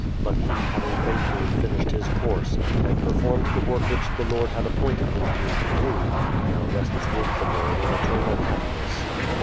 But he having faithfully finished his course, and performed the work •which the Lord had appointed him here to do, now rests with the Lord in eternal happiness.